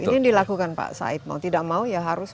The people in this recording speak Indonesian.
ini yang dilakukan pak said mau tidak mau ya harus